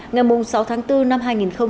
ngày sáu tháng bốn năm hai nghìn hai mươi